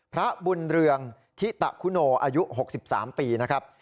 พระบุญเรืองทิตะคุโนอายุ๖๓ปีนะครับ